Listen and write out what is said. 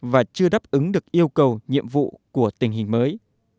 và chưa đáp ứng được yêu cầu nhiệm vụ của tình hình mới